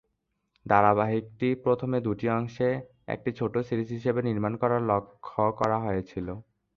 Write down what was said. ধারাবাহিকটি প্রথমে দুটি অংশে একটি ছোট সিরিজ হিসাবে নির্মাণ করার লক্ষ্য করা হয়েছিল।